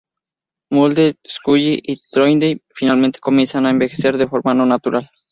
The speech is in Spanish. Mulder, Scully y Trondheim finalmente comienzan a envejecer de forma no natural.